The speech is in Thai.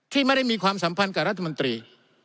ไม่ได้มีความสัมพันธ์กับรัฐมนตรี